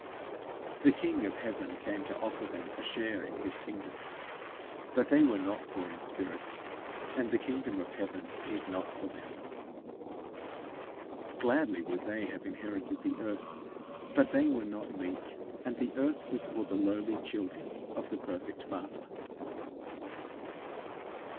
The king of heaven came to offer them a share in his kingdom; but they were not poor in spirit, and the kingdom of heaven was not for them. Gladly would they have inherited the earth; but they were not meek, and the earth was for the lowly children of the perfect Father.